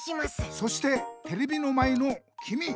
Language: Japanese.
そしてテレビの前のきみ！